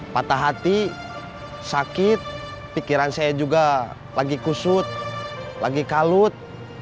patah hati sakit pikiran saya juga lagi kusut lagi kalut